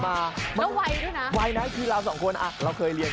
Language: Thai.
ไอ้หนูเว้ย